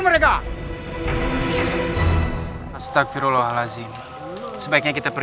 begitu tolik sadar